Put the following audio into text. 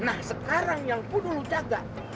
nah sekarang yang pun lo jaga